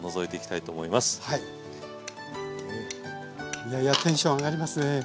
いやいやテンション上がりますね。